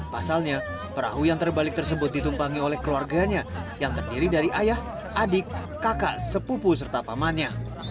pasalnya perahu yang terbalik tersebut ditumpangi oleh keluarganya yang terdiri dari ayah adik kakak sepupu serta pamannya